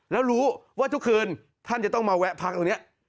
แล้วรู้ว่าทุกคืนท่านจะต้องมาแวะพักตรงนี้